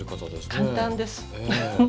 簡単です。